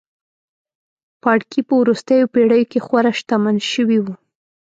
پاړکي په وروستیو پېړیو کې خورا شتمن شوي وو.